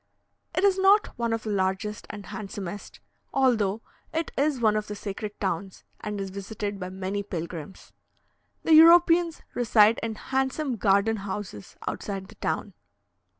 It is not one of the largest and handsomest, although it is one of the sacred towns, and is visited by many pilgrims. The Europeans reside in handsome garden houses outside the town.